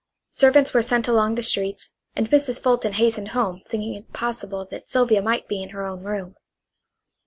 Servants were sent along the streets, and Mrs. Fulton hastened home thinking it possible that Sylvia might be in her own room.